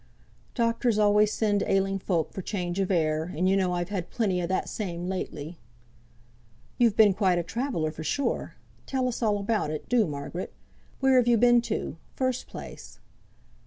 "Doctors always send ailing folk for change of air! and you know I've had plenty o' that same lately." "You've been quite a traveller for sure! Tell us all about it, do, Margaret. Where have you been to, first place?"